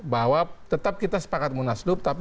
bahwa tetap kita sepakat munaslup tapi